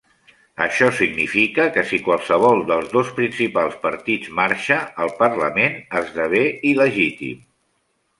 Això significa que si qualsevol dels dos principals partits marxa, el parlament esdevé il·legítim.